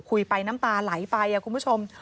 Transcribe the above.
ไปน้ำตาไหลไปคุณผู้ชม